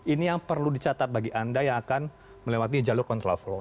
ini yang perlu dicatat bagi anda yang akan melewati jalur kontraflow